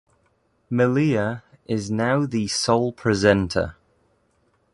Malia is now the sole presenter.